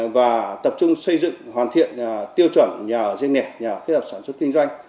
và tập trung xây dựng hoàn thiện tiêu chuẩn nhà ở riêng lẻ nhà kết hợp sản xuất kinh doanh